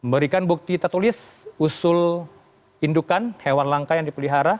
berikan bukti tertulis usul indukan hewan langka yang dipelihara